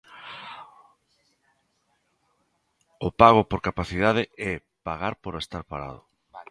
O pago por capacidade é pagar por estar parado.